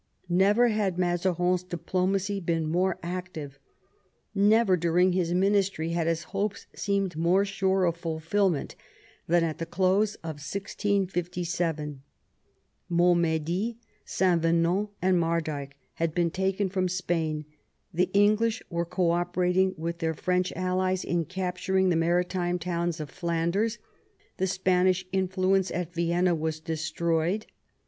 Never had Mazarin's diplomacy been more active, never during his ministry had his hopes seemed more sure of fulfilment than at the close of 1657. Montm^dy, Saint Venant, and Mardyke had been taken from Spain, the English were co operating with their French allies in capturing the maritime towns of Flanders, the Spanish influence at Vienna was destroyed.